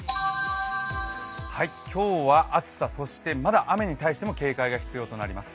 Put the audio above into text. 今日は暑さ、そしてまだ雨に対して警戒が必要になります。